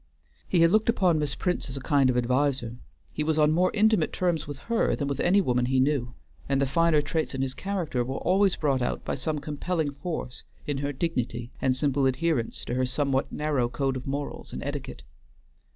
He had looked upon Miss Prince as a kind adviser; he was on more intimate terms with her than with any woman he knew; and the finer traits in his character were always brought out by some compelling force in her dignity and simple adherence to her somewhat narrow code of morals and etiquette.